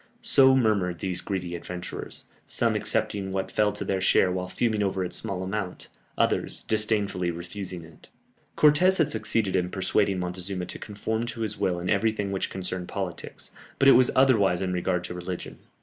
So murmured these greedy adventurers; some accepting what fell to their share while fuming over its small amount, others disdainfully refusing it. Cortès had succeeded in persuading Montezuma to conform to his will in everything which concerned politics, but it was otherwise in regard to religion.